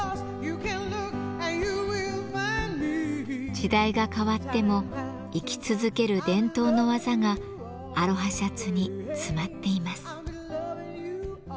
時代が変わっても生き続ける伝統の技がアロハシャツに詰まっています。